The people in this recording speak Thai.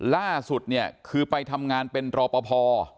ล่าสุดเนี่ยคือไปทำงานเป็นรอปภ